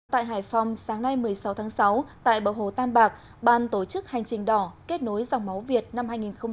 tại hải phòng sáng nay một mươi sáu tháng sáu tại bờ hồ tam bạc ban tổ chức hành trình đỏ kết nối dòng máu việt năm hai nghìn hai mươi